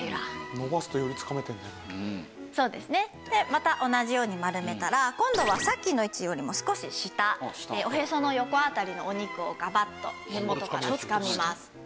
また同じように丸めたら今度はさっきの位置よりも少し下おへその横辺りのお肉をガバッと根元からつかみます。